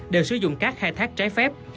đều sử dụng cát khai thác trái phép